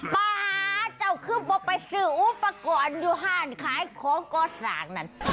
ป๊าเจ้าคืบบบไปซื้ออุปกรณ์ยุหารขายของกสังนั่น